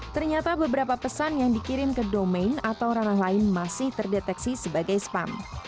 ternyata beberapa pesan yang dikirim ke domain atau ranah lain masih terdeteksi sebagai spam